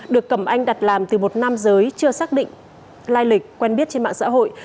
được cầm anh đặt làm từ một nam giới chưa xác định lai lịch quen biết trên mạng xã hội